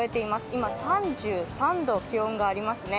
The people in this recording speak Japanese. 今、３３度、気温がありますね。